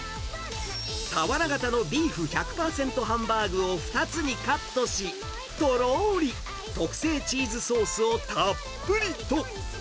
俵型のビーフ１００％のハンバーグを２つにカットし、とろーり特製チーズソースをたっぷりと。